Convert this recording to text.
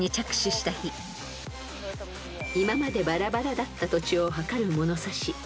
［今までばらばらだった土地をはかる物差し］